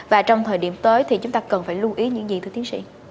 và trong thời điểm tới thì chúng ta cần phải lưu ý những gì thưa tiến sĩ